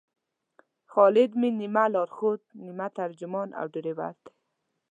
خالد مې نیمه لارښود، نیمه ترجمان او ډریور دی.